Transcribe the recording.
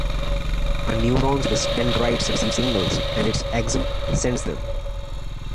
A neuron's dendrites receive signals, and its axon sends them.